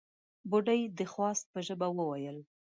بوډۍ د خواست په ژبه وويل: